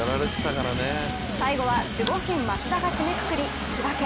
最後は守護神・益田が締めくくり引き分け